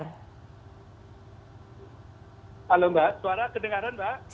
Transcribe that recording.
halo mbak suara kedengaran mbak